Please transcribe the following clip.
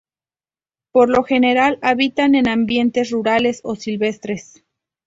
Por lo general habitan en ambientes rurales o silvestres.